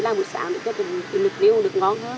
chỉ làm buổi sáng để cho được nguyên liệu được ngon hơn